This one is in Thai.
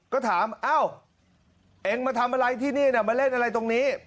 ก็ถามเอ้าเองมาทำอะไรที่นี่มาเล่นอะไรตรงนี้